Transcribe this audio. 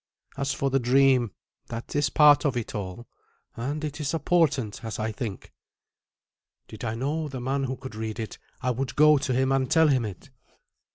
As for the dream, that is part of it all, and it is a portent, as I think." "Did I know the man who could read it, I would go to him and tell him it."